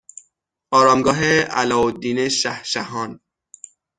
آرامگاه علاءالدین شهشهان